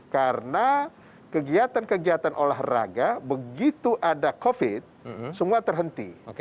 karena kegiatan kegiatan olahraga begitu ada covid semua terhenti